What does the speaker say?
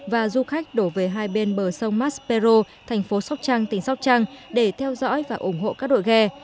và du khách đổ về hai bên bờ sông maspero thành phố sóc trăng tỉnh sóc trăng để theo dõi và ủng hộ các đội ghe